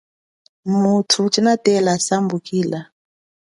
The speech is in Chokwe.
Muthu tshinatela sambukila.